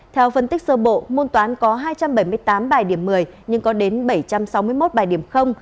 theo phân tích sơ bộ môn toán có hai trăm bảy mươi tám bài điểm một mươi nhưng có đến bảy trăm sáu mươi một bài điểm